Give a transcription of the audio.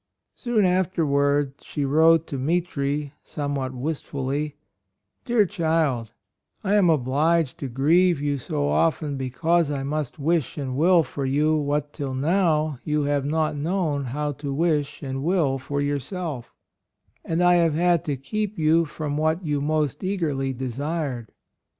Soon afterward she wrote to Mitri, somewhat wistfully: "Dear child, I am obliged to grieve you so often because I must wish and will for you what till now you have not known how to wish and will for yourself; and I have had to keep 3 r ou from what you most eagerly desired.